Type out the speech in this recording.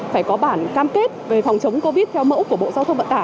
phải có bản cam kết về phòng chống covid theo mẫu của bộ giao thông vận tải